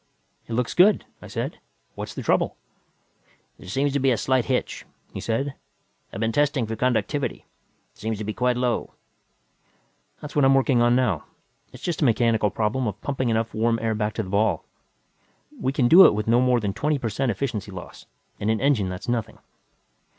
"It looks good," I said. "What's the trouble?" "There seems to be a slight hitch," he said. "I've been testing for conductivity. It seems to be quite low." "That's what I'm working on now. It's just a mechanical problem of pumping enough warm air back to the ball. We can do it with no more than a twenty per cent efficiency loss. In an engine, that's nothing."